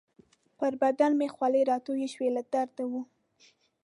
پر بدن مې خولې راتویې شوې، له درده وو.